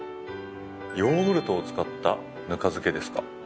ヨーグルトを使ったぬか漬けですか。